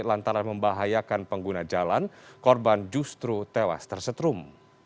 lantaran membahayakan pengguna jalan korban justru tewas tersetrum